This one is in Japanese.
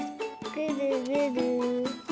ぐるぐる？